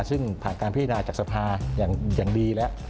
ซึ่งผ่านการพิจารณาจากสภาอย่างดีแล้ว